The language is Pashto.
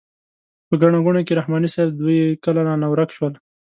په ګڼه ګوڼه کې رحماني صیب دوی کله رانه ورک شول.